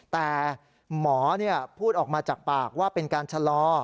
แต่หมอพูดออกมาจากปากว่าเป็นการชะลอ